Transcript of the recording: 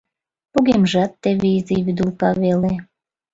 Погемжат теве изи вӱдылка веле...